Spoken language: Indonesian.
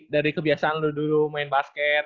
dari kebiasaan lo dulu main basket